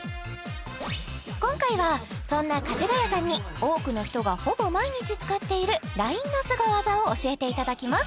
今回はそんなかじがやさんに多くの人がほぼ毎日使っているＬＩＮＥのスゴ技を教えていただきます